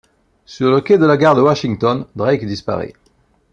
Sur le quai de la gare de Washington Drake disparaît.